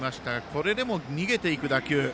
これでも逃げていく打球。